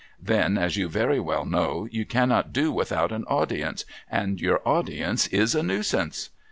Then, as you very well know, you cannot do without an audience, and your audience is a Nuisance.